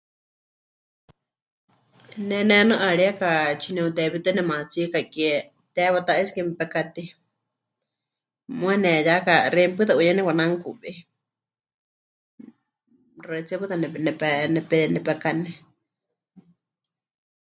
Ne nehenɨ'aríeka tsine'uteewítɨ nemaatsika kie, teewa ta es que mepekatei, muuwa neheyaka xeíme pɨta huyé nekwananukuwei, xaɨtsíe pɨta nepe... nepe... nepe... nepekane.